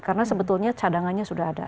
karena sebetulnya cadangannya sudah ada